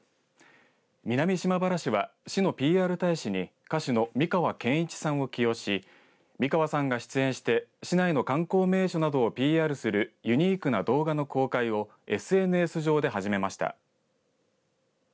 南島原市は市のＰＲ大使に歌手の美川憲一さんを起用し美川さんが出演して市内の観光名所などをＰＲするユニークな動画の公開をＳＮＳ上で始めました。